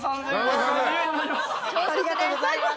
ありがとうございます。